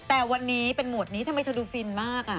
แต่วันนี้เป็นหมวดนี้ทำไมเธอดูฟินมาก